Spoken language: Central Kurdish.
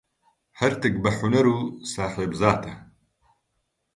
هەرتک بە حونەر و ساحێب زاتە.